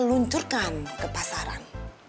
luncurkan ke pasaran